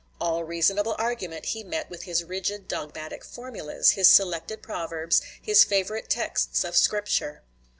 All reasonable argument he met with his rigid dogmatic formulas, his selected proverbs, his favorite texts of Scripture.